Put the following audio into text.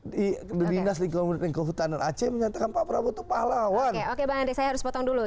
di dunia selingkuh lingkuh tanah aceh menyatakan pak prabowo pahlawan oke saya harus potong dulu